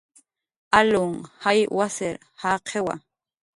Alunh jay wasir jaqiwa